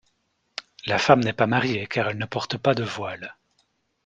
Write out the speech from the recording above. La femme n'est pas mariée car elle ne porte pas de voile.